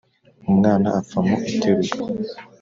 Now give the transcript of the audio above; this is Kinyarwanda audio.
Umwana apfa mu iterura.